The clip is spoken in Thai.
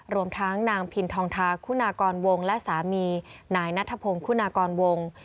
รวมทั้งนางพินทองทาคุณากรวงและสามีนายนัทพงศ์คุณากรวง